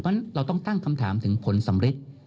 เพราะฉะนั้นเราต้องตั้งคำถามถึงผลสำริด